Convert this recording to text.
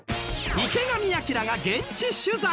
池上彰が現地取材！